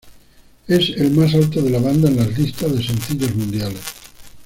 Es el más alto de la banda en las listas de sencillos mundiales.